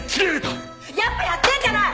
やっぱやってんじゃない！